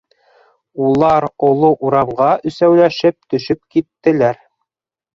Улар оло урамға өсәүләшеп төшөп киттеләр